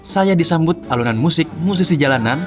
saya disambut alunan musik musisi jalanan